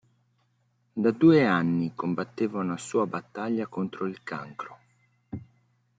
Da due anni combatteva una sua battaglia contro il cancro.